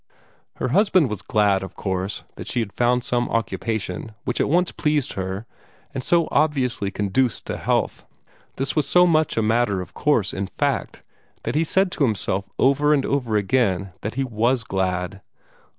Her husband was glad, of course, that she had found some occupation which at once pleased her and so obviously conduced to health. This was so much a matter of course, in fact, that he said to himself over and over again that he was glad.